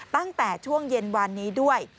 ตั้งแต่ช่วงเย็นวานนี้ด้วย